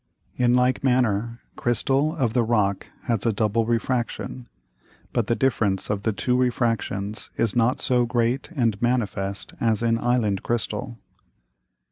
In like manner Crystal of the Rock has a double Refraction: But the difference of the two Refractions is not so great and manifest as in Island Crystal.